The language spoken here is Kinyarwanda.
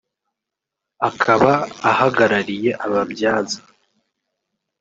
akaba ahagarariye ababyaza